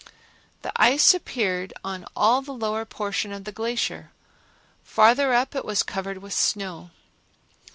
The ice appeared on all the lower portion of the glacier; farther up it was covered with snow.